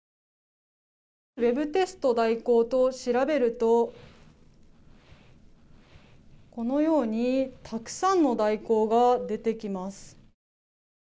ウェブテスト代行と調べるとこのように、たくさんの代行が出てきます。